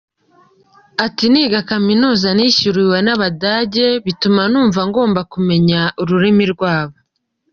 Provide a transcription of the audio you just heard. Ati” Niga kaminuza nishyuriwe n’Abadage bituma numva ngomba kumenya ururimi rwabo.